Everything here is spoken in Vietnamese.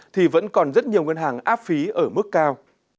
thì vẫn còn rất nhiều ngân hàng áp phí ở mức cao